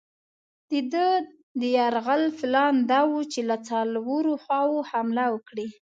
د ده د یرغل پلان دا وو چې له څلورو خواوو حمله وکړي.